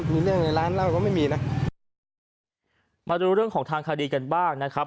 มีเรื่องในร้านเหล้าก็ไม่มีนะมาดูเรื่องของทางคดีกันบ้างนะครับ